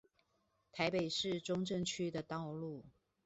台北市中正區的道路